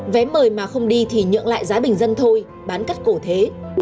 vé mời mà không đi thì nhượng lại giá bình dân thôi bán cắt cổ thế